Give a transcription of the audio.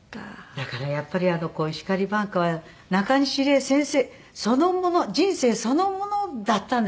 だからやっぱり『石狩挽歌』はなかにし礼先生そのもの人生そのものだったんですね。